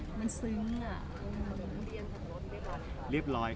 จัดทะเบียนส่วนรถเรียบร้อยครับ